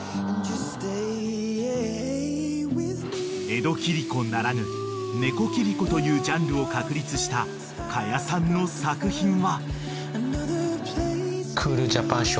［江戸切子ならぬ猫切子というジャンルを確立した可夜さんの作品は］